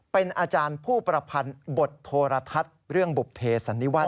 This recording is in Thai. เป็นอาจารย์ผู้ประพันธ์บทโทรทัศน์เรื่องบุภเพสันนิวาส